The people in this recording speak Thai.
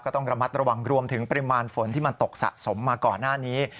ต้องระมัดระวังรวมถึงปริมาณฝนที่มันตกสะสมมาก่อนหน้านี้